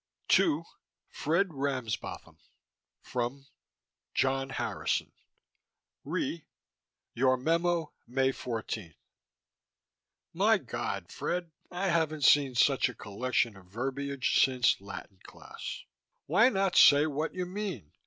TO: Fred Ramsbotham FROM: John Harrison RE: Your memo May 14 My God, Fred, I haven't seen such a collection of verbiage since Latin class. Why not say what you mean?